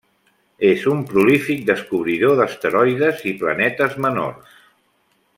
És un prolífic descobridor d'asteroides i planetes menors.